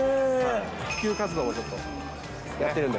普及活動をちょっとやってるんで。